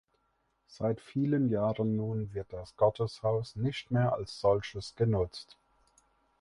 Seit vielen Jahren nun wird das Gotteshaus nicht mehr als solches genutzt.